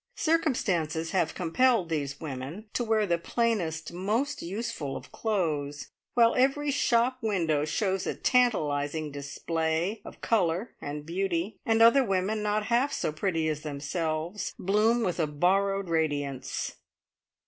Circumstances have compelled these women to wear the plainest, most useful of clothes, while every shop window shows a tantalising display of colour and beauty, and other women not half so pretty as themselves bloom with a borrowed radiance!